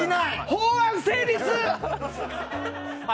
法案成立。